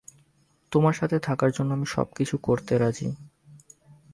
তোমার সাথে থাকার জন্য আমি সবকিছু করতে রাজী।